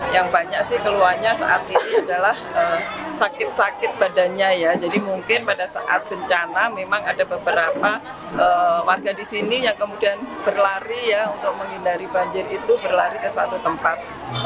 yang banyak sih keluhannya saat ini adalah sakit sakit badannya ya jadi mungkin pada saat bencana memang ada beberapa warga di sini yang kemudian berlari ya untuk menghindari banjir itu berlari ke satu tempat